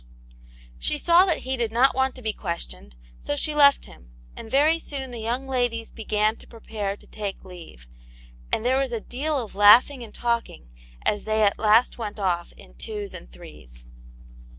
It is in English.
She saw that he did not want to be questioned, so she left him, and very soon the young ladies began to prepare to take leave, and there was a deal of laughing and talking as they at last went off in twos and threes.